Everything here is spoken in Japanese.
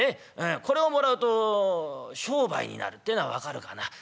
これをもらうと商売になるっていうのは分かるかな。